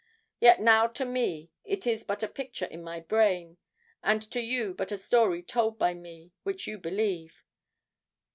Yet now to me it is but a picture in my brain, and to you but a story told by me, which you believe.